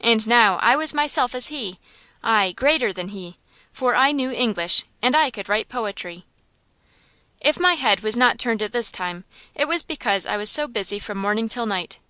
And now I was myself as he: aye, greater than he; for I knew English, and I could write poetry. If my head was not turned at this time it was because I was so busy from morning till night.